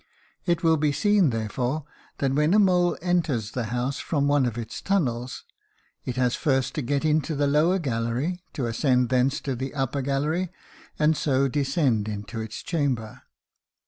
It will be seen, therefore, that when a mole enters the house from one of its tunnels, it has first to get into the lower gallery, to ascend thence to the upper gallery, and so descend into its chamber.